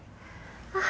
あ！